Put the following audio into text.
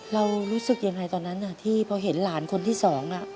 รู้สึกยังไงตอนนั้นที่พอเห็นหลานคนที่สอง